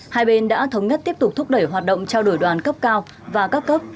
hai bên đã thống nhất tiếp tục thúc đẩy hoạt động trao đổi đoàn cấp cao và các cấp